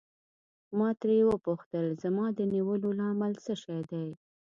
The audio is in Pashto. ما ترې وپوښتل زما د نیولو لامل څه شی دی.